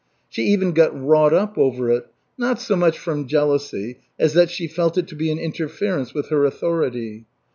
She even got wrought up over it, not so much from jealousy as that she felt it to be an interference with her authority.